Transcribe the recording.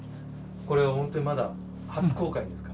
これは本当にまだ初公開ですから。